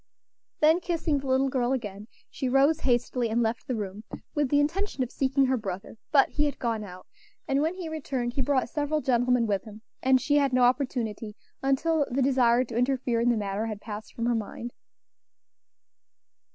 Then, kissing the little girl again, she rose hastily and left the room, with the intention of seeking her brother; but he had gone out; and when he returned he brought several gentlemen with him, and she had no opportunity until the desire to interfere in the matter had passed from her mind.